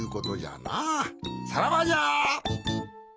さらばじゃ！